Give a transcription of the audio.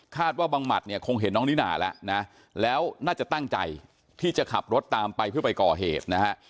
ว่าบังหมัดเนี่ยคงเห็นน้องนิน่าแล้วนะแล้วน่าจะตั้งใจที่จะขับรถตามไปเพื่อไปก่อเหตุนะฮะ